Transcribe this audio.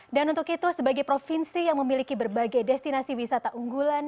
dan untuk itu sebagai provinsi yang memiliki berbagai destinasi wisata unggulan